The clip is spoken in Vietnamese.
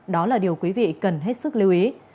đó là điều quý vị cần hết sức lưu ý